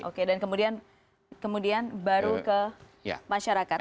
oke dan kemudian baru ke masyarakat